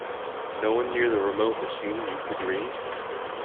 No one near the remote machine you could ring?